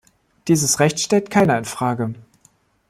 Dieses Recht stellt keiner in Frage.